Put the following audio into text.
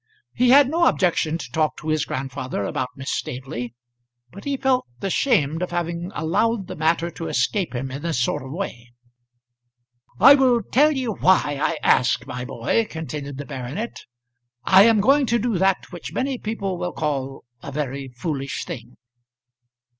He had no objection to talk to his grandfather about Miss Staveley, but he felt ashamed of having allowed the matter to escape him in this sort of way. "I will tell you why I ask, my boy," continued the baronet. "I am going to do that which many people will call a very foolish thing."